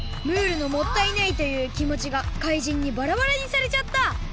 ムールの「もったいない」というきもちがかいじんにバラバラにされちゃった！